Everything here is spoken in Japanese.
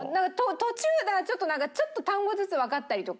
途中なんかちょっと単語ずつわかったりとか。